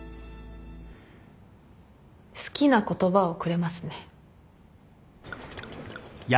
好きな言葉をくれますね。